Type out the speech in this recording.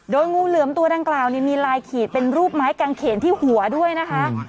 งูเหลือมตัวดังกล่าวมีลายขีดเป็นรูปไม้กางเขนที่หัวด้วยนะคะ